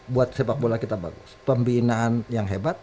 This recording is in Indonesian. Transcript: buat sepak bola kita bagus pembinaan yang hebat